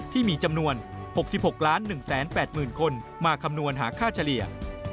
ที่มีจำนวน๖๖๑๘๐๐๐คนมาคำนวณหาค่าเฉลี่ย